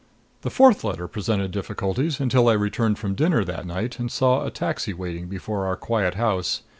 The fourth letter presented difficulties until I returned from dinner that night and saw a taxi waiting before our quiet house.